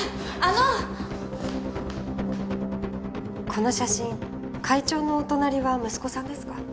この写真会長のお隣は息子さんですか？